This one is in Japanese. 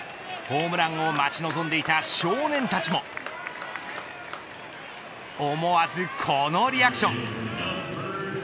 ホームランを待ち望んでいた少年たちも思わずこのリアクション。